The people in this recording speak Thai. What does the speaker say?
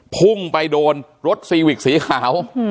พุ่งไปโดนรถซีวิกสีขาว